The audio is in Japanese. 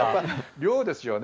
量ですよね。